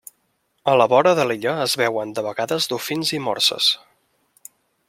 A la vora de l'illa es veuen de vegades dofins i morses.